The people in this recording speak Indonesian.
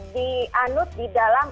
dianud di dalam